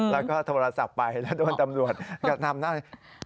แล้วก็โทรศัพท์ไปแล้วโดนตำรวจอยากทำได้